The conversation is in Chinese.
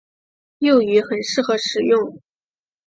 幼鱼很适合食用。